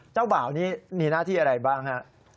เจ้าบ่าวนี้มีหน้าที่อะไรบ้างฮะ